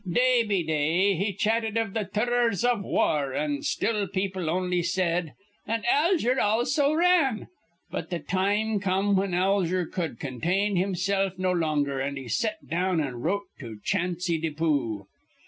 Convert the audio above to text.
Day be day he chatted iv th' turrors iv war, an' still people on'y said: 'An' Alger also r ran.' But th' time come whin Alger cud contain himsilf no longer, an' he set down an' wrote to Chansy Depoo.